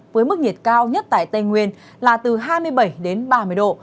với mức nhiệt cao nhất tại tây nguyên là từ hai mươi bảy đến ba mươi độ